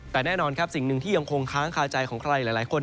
แต่แน่นอนสิ่งที่ยังคงค้างคาใจของใครอะไรหลายคน